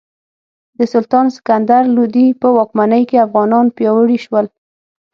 د سلطان سکندر لودي په واکمنۍ کې افغانان پیاوړي شول.